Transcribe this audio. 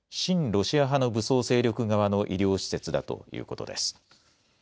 ロシア派の武装勢力側の医療施設だということです。